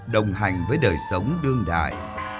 đồng hành với đời sống đương đại